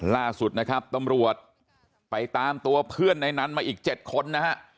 ล่าสุดนะครับตำรวจไปตามตัวเพื่อนในนั้นมาอีก๗คนนะฮะ